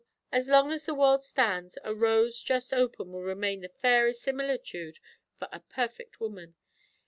As long as the world stands, a rose just open will remain the fairest similitude for a perfect woman.